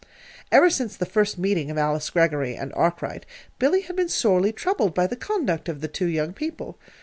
Ever since the first meeting of Alice Greggory and Arkwright, Billy had been sorely troubled by the conduct of the two young people.